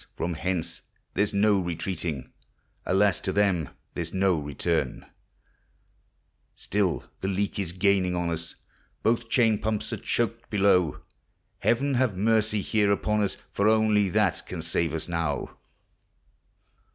from hence there 's no retreating, Alas ! to them there 's no return ! Still the leak is gaining on us! Both chain pumps are choked below : Heaven have mercy here upon us! For onlv that can save us now.